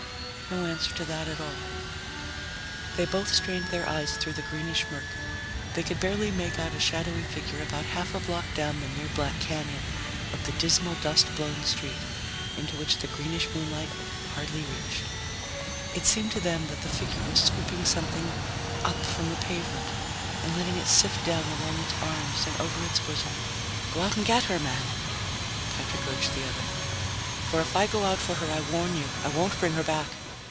No answer to that at all. They both strained their eyes through the greenish murk. They could barely make out a shadowy figure about half a block down the near black canyon of the dismal, dust blown street, into which the greenish moonlight hardly reached. It seemed to them that the figure was scooping something up from the pavement and letting it sift down along its arms and over its bosom. "Go out and get her, man," Patrick urged the other. "For if I go out for her, I warn you I won't bring her back.